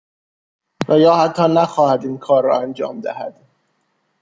و یا حتی نخواهد این کار را انجام دهد.